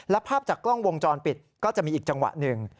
และภาพจากกล้องวงจรปิดก็จะมีอีกจังหวะหนึ่ง